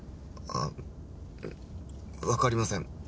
あわかりません。